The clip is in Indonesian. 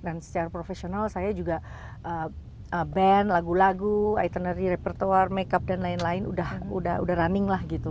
dan secara profesional saya juga band lagu lagu itinerary repertoire makeup dan lain lain udah running lah gitu